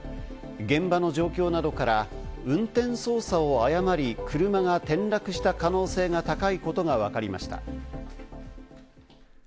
現場の状況などから運転操作を誤り、車が転落した可能性が高いことがわかりました。